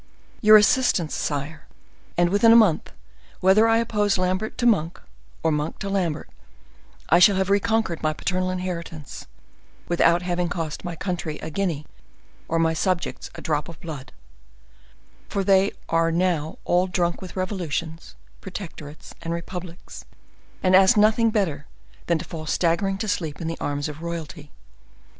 Your assistance, sire, and within a month, whether I oppose Lambert to Monk, or Monk to Lambert, I shall have reconquered my paternal inheritance, without having cost my country a guinea, or my subjects a drop of blood, for they are now all drunk with revolutions, protectorates, and republics, and ask nothing better than to fall staggering to sleep in the arms of royalty.